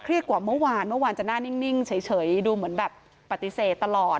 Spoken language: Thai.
กว่าเมื่อวานเมื่อวานจะหน้านิ่งเฉยดูเหมือนแบบปฏิเสธตลอด